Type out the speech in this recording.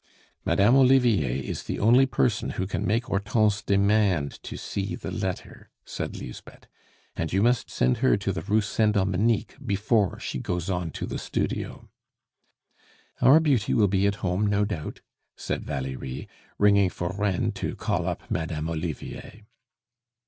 "Madame Olivier is the only person who can make Hortense demand to see the letter," said Lisbeth. "And you must send her to the Rue Saint Dominique before she goes on to the studio." "Our beauty will be at home, no doubt," said Valerie, ringing for Reine to call up Madame Olivier.